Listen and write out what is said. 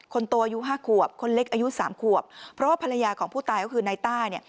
คนโตอายุห้าขวบคนเล็กอายุสามขวบเพราะว่าภรรยาของผู้ตายก็คือนายต้าเนี่ย